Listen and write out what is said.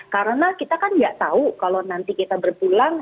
karena kita kan nggak tahu kalau nanti kita berpulang